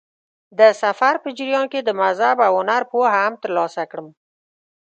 د سفر په جریان کې د مذهب او هنر پوهه هم ترلاسه کړم.